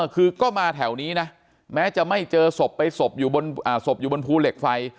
คือก็มาแถวนี้นะแม้จะไม่เจอศพไปศพอยู่ศพอยู่บนภูเหล็กไฟ